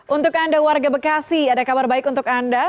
untuk anda warga bekasi ada kabar baik untuk anda